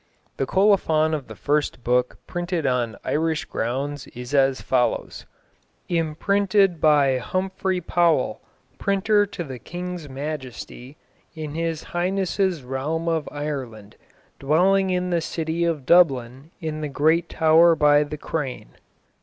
The colophon of the first book printed on Irish ground is as follows: Imprinted by Humfrey Powell, Printer to the Kynges Maiestie, in his hyghnesse realme of Ireland, dwellyng in the citee of Dublin in the great toure by the Crane.